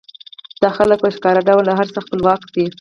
دا خلک په ښکاره ډول له هر څه خپلواک دي